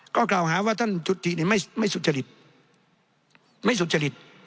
ก็กล่าวหาว่าท่านจุติไม่สุจริตไม่สุจริต